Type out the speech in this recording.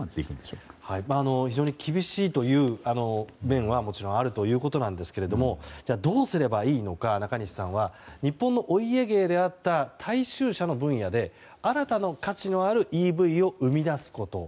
非常に厳しいという面はもちろんあるということですがじゃあ、どうすればいいのか中西さんは日本のお家芸であった大衆車の分野で新たな価値のあるＥＶを生み出すこと。